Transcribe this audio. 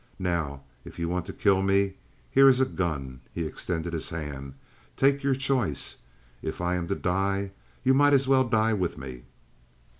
Now if you want to kill me here is a gun." He extended his hand. "Take your choice. If I am to die you might as well die with me."